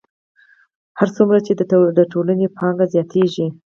هر څومره چې د ټولنې پانګه زیاتېږي